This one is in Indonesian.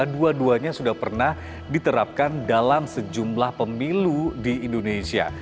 dua duanya sudah pernah diterapkan dalam sejumlah pemilu di indonesia